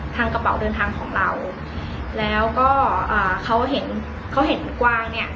ทางกระเป๋าเดินทางของเราแล้วก็เขาเห็นกว้างเนี่ย